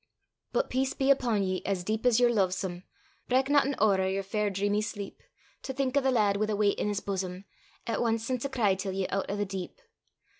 But peace be upo' ye, as deep as ye're lo'esome! Brak na an hoor o' yer fair dreamy sleep, To think o' the lad wi' a weicht in his bosom, 'At ance sent a cry till ye oot o' the deep.